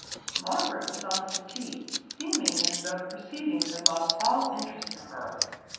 Margaret was on a settee, seeming as though the proceedings had lost all interest for her.